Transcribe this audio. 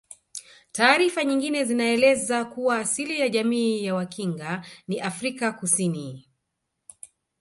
Taarifa nyingine zinaeleza kuwa asili ya jamii ya Wakinga ni Afrika Kusini